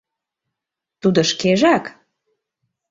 Тудо шкежак?